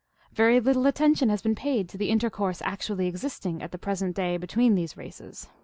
Very little attention has been paid to the intercourse act ually existing at the present day between these races.